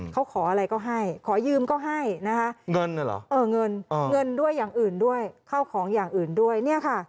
เขาขออะไรก็ให้ขอยืมก็ให้นะคะเงินเงินด้วยอย่างอื่นด้วยข้าวของอย่างอื่นด้วยเนี่ยค่ะ